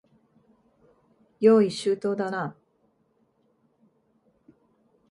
用意周到だな。